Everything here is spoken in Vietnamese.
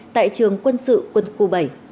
tại trường quân sự quân khu bảy